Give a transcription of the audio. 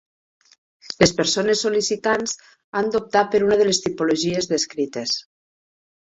Les persones sol·licitants han d'optar per una de les tipologies descrites.